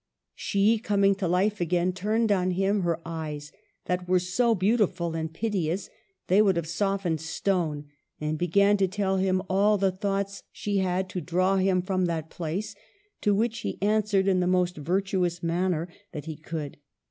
She, coming to Hfe again, turned on him her eyes, that were so beautiful and piteous they would have softened stone, and began to tell him all the thoughts she had to draw him from that place ; to which he answered in the most virtuous manner that he could.